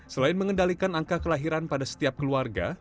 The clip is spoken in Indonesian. selain mengendalikan angka kelahiran pada setiap keluarga